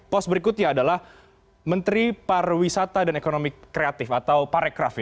pos berikutnya adalah menteri pariwisata dan ekonomi kreatif atau parekraf